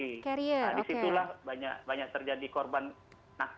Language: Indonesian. nah disitulah banyak terjadi korban